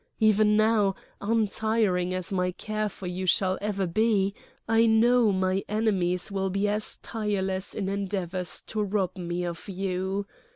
Even now, untiring as my care for you shall ever be, I know my enemies will be as tireless in endeavours to rob me of you.